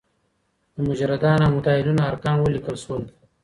د مجردانو او متاهلينو ارقام وليکل سول.